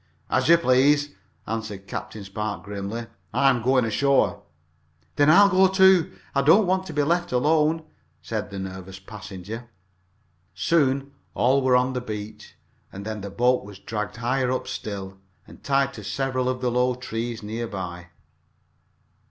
"As you please," answered Captain Spark, grimly. "I am going ashore." "Then I'll go, too I don't want to be left alone," said the nervous passenger. Soon all were on the beach, and then the boat was dragged higher up still, and tied to several of the low trees near by.